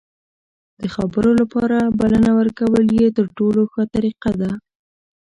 د خبرو لپاره بلنه ورکول یې تر ټولو ښه طریقه ده.